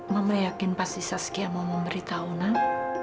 mama yakin pasti saskiah mau memberitahu nak